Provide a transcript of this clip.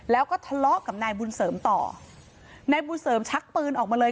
แล้วก็ทะเลาะกับนายบุญเสริมต่อนายบุญเสริมชักปืนออกมาเลย